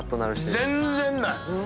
全然ない！